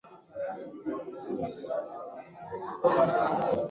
kati yao na hasa majaribio ya serikali ya Bizanti kuwalazimisha